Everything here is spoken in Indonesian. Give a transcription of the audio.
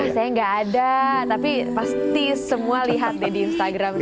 saya gak ada tapi pasti semua lihat di instagram saya